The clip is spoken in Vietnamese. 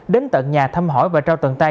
đến tận nhà thăm hỏi và trao tận tay